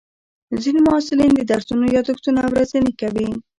ځینې محصلین د درسونو یادښتونه ورځني کوي.